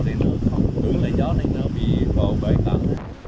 thì nó không tướng lấy gió nên nó bị bầu bởi tàu